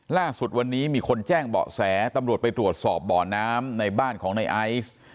ล่าสุดวันนี้มีคนแจ้งเบาะแสตำรวจไปตรวจสอบบ่อน้ำในบ้านของในไอซ์